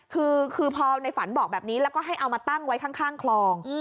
คือพอในฝันบอกแบบนี้แล้วก็ให้เอามาตั้งไว้ข้างคลอง